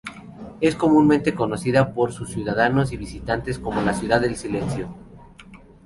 Es comúnmente conocida por sus ciudadanos y visitantes como "La ciudad del Silencio".